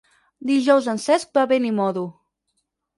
Dijous en Cesc va a Benimodo.